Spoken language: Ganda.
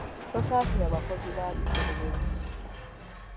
Tosasira bakozi ba bikolobero.